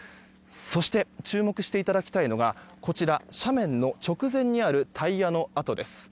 そして注目していただきたいのがこちら斜面の直前にあるタイヤの跡です。